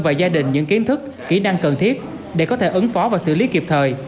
và gia đình những kiến thức kỹ năng cần thiết để có thể ứng phó và xử lý kịp thời